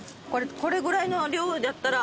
これぐらいの量だったら。